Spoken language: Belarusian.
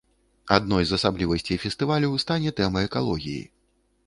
Адной з асаблівасцей фестывалю стане тэма экалогіі.